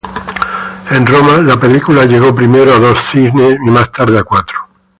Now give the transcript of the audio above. En Roma la película llegó primero a dos cines y más tarde a cuatro.